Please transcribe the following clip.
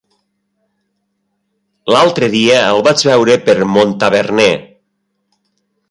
L'altre dia el vaig veure per Montaverner.